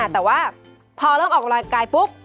แต่ว่าพอเริ่มออกรอยกายปุ๊บ